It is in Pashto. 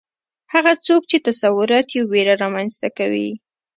هغه څوک چې تصورات یې ویره رامنځته کوي